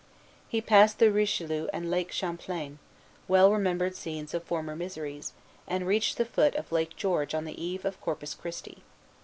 He passed the Richelieu and Lake Champlain, well remembered scenes of former miseries, and reached the foot of Lake George on the eve of Corpus Christi.